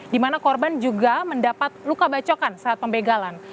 di mana korban juga mendapat luka bacokan saat pembegalan